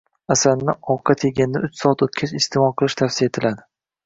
Asalni ovqat yegandan uch soat o‘tgach iste’mol qilish tavsiya etiladi.